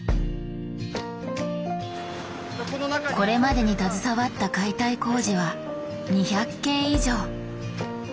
これまでに携わった解体工事は２００件以上。